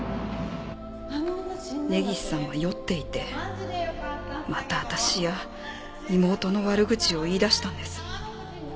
「根岸さんは酔っていて又私や妹の悪口を言い出したんです」